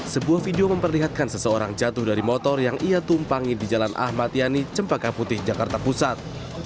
sebuah video memperlihatkan seseorang jatuh dari motor yang ia tumpangi di jalan ahmad yani cempaka putih jakarta pusat